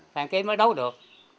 phan giấy ký mới đấu được